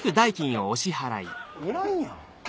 いらんやん！